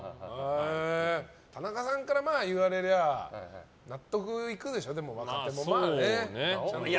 田中さんから言われりゃ納得いくでしょ、若手も。